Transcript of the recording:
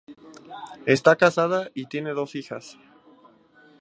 Está casada y tiene dos hijas.